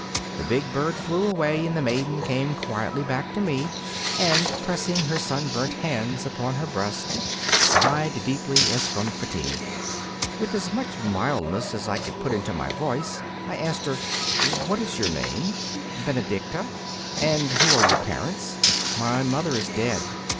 The big bird flew away, and the maiden came quietly back to me, and, pressing her sunburnt hands upon her breast, sighed deeply, as from fatigue. With as much mildness as I could put into my voice, I asked her: 'What is your name?' 'Benedicta.' 'And who are your parents?' 'My mother is dead.